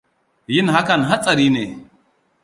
Yin hakan hatsari ne.